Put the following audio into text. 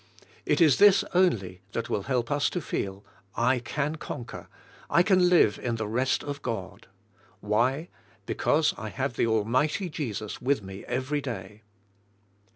It is this only that will help us to feel, "I can conquer, I can live in the rest of God." Why? "Because I have the almighty Jesus with me every day."